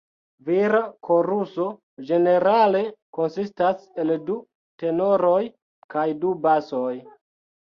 Vira koruso ĝenerale konsistas el du tenoroj kaj du basoj.